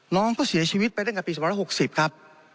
น้องก็เสียชีวิตไปตั้งแต่ปี๒๖๐ครับ